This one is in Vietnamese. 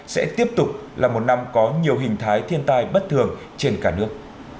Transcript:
sẽ tiếp tục là một năm có nhiều hình thái thiên tai bất thường trên cả nước